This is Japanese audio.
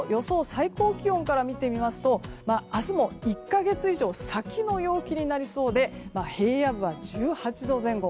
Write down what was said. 最高気温から見てみますと明日も１か月以上先の陽気になりそうで平野部は１８度前後。